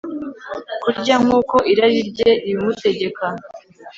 kurya nkuko irari rye ribimutegeka